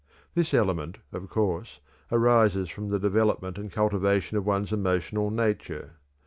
This element, of course, arises from the development and cultivation of one's emotional nature.